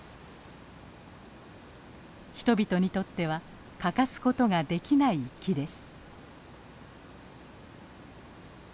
人々にとっては欠かすことができない木です。